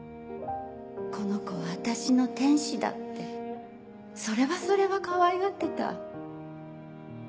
「この子は私の天使だ」ってそれはそれはかわいがってた。